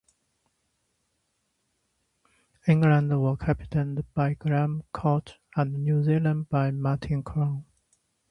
England were captained by Graham Gooch and New Zealand by Martin Crowe.